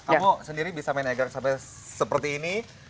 kamu sendiri bisa main egrang sampai seperti ini